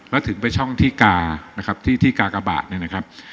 แล้วถึงไปช่องที่กานะครับที่ที่กากบาทเนี่ยนะครับ